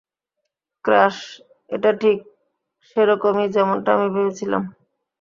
Crash, এটা ঠিক সেরকমই যেমনটা আমি ভেবেছিলাম।